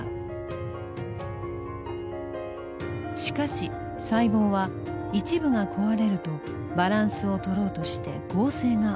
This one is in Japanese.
しかし細胞は一部が壊れるとバランスをとろうとして合成が起こる。